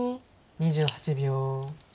２８秒。